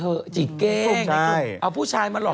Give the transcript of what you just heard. เอาผู้ชายมาหลอกจีบเก้ง